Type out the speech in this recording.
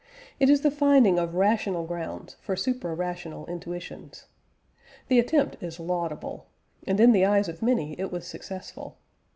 It is the finding of rational grounds for supra rational intuitions. The attempt is laudable, and, in the eyes of many, it was successful.